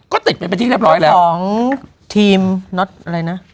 ก็ติดไปที่เรียบร้อยแล้วรัฐมนตรีช่วยสาธารณสุขของทีม